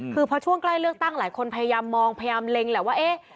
คือพอช่วงใกล้เลือกตั้งหลายคนพยายามมองพยายามเล็งแหละว่าเอ๊ะ